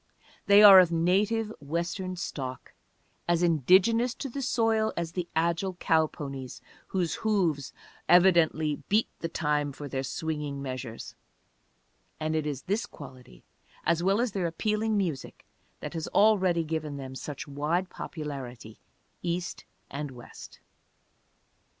They are of native Western stock, as indigenous to the soil as the agile cow ponies whose hoofs evidently beat the time for their swinging measures; and it is this quality, as well as their appealing music, that has already given them such wide popularity, East and West.